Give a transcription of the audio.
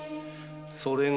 それが？